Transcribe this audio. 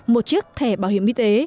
một chiếc thẻ bảo hiểm y tế